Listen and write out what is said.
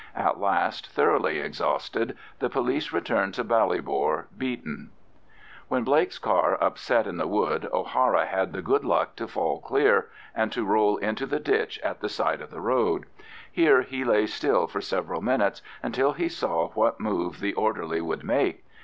At last, thoroughly exhausted, the police returned to Ballybor, beaten. When Blake's car upset in the wood, O'Hara had the good luck to fall clear, and to roll into the ditch at the side of the road. Here he lay still for several minutes until he saw what move the orderly would make.